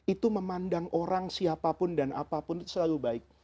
itu memandang orang siapapun dan apapun itu selalu baik